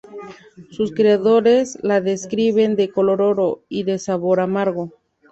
Sus creadores la describen de color "oro" y de sabor amargo.